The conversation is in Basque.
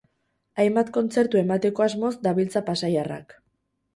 Hainbat kontzertu emateko asmoz dabiltza pasaiarrak.